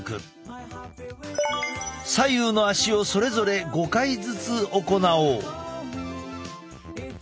左右の足をそれぞれ５回ずつ行おう。